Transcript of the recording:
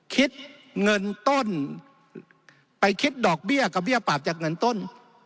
คิดเงินต้นไปคิดดอกเบี้ยกับเบี้ยปราบจากเงินต้น